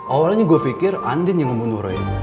awalnya gua pikir andien yang membunuh roy